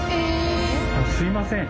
すいません。